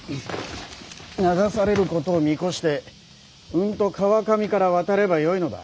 流されることを見越してうんと川上から渡ればよいのだ。